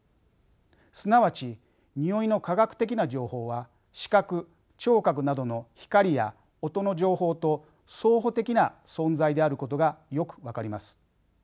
すなわちにおいの化学的な情報は視覚聴覚などの光や音の情報と相補的な存在であることがよく分かります。